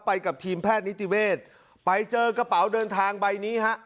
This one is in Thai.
กับทีมแพทย์นิติเวศไปเจอกระเป๋าเดินทางใบนี้ฮะ